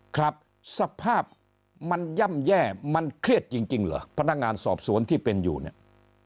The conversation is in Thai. ครับสภาพมันย่ำแย่มันเครียดจริงเหรอพนักงานสอบสวนที่เป็นอยู่เนี่ย